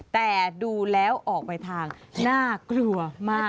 แต่ดูแล้วออกไปทางน่ากลัวมาก